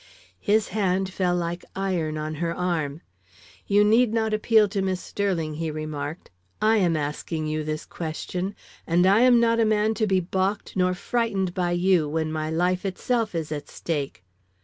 His hand fell like iron on her arm. "You need not appeal to Miss Sterling," he remarked. "I am asking you this question, and I am not a man to be balked nor frightened by you when my life itself is at stake.